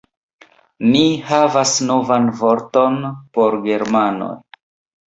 Ni havas novan vorton por germanoj